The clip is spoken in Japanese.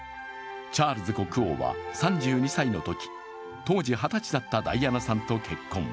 チャールズ国王は３２歳のとき、当時２０歳だったダイアナさんと結婚。